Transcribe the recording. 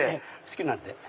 好きなんで。